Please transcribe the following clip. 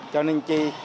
cho nên chi